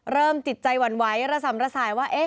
จิตใจหวั่นไหวระสำระสายว่า